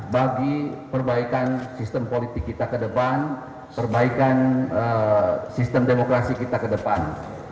bagi perbaikan sistem politik kita ke depan perbaikan sistem demokrasi kita ke depan